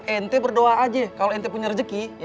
ente berdoa aja kalau ente punya rezeki